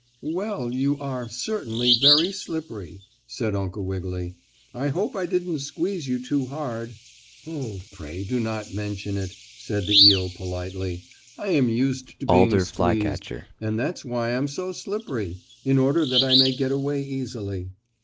"Well, you are certainly very slippery," said Uncle Wiggily. "I hope I didn't squeeze you too hard." "Oh, pray do not mention it," said the eel, politely. "I am used to being squeezed, and that's why I'm so slippery; in order that I may get away easily."